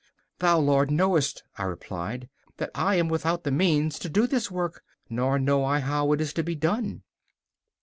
'Thou, Lord, knowest,' I replied, 'that I am without the means to do this work, nor know I how it is to be done.